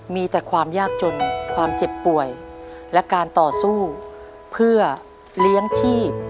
มีแต่ความยากจนความเจ็บป่วยและการต่อสู้เพื่อเลี้ยงชีพ